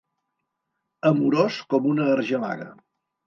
Amorós com una argelaga.